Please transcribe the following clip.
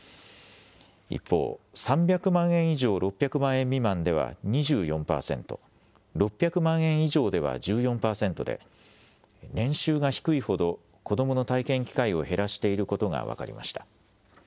一方、３００万円以上６００万円未満では２４％、６００万円以上では１４％で、年収が低いほど子どもの体験機会を減らしていることが分かりました。